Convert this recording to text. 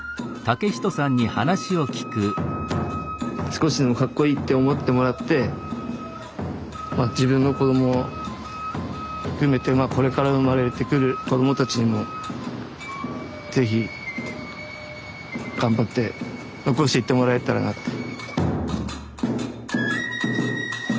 少しでもかっこいいって思ってもらってまあ自分の子ども含めてまあこれから生まれてくる子どもたちにも是非頑張って残していってもらえたらなって。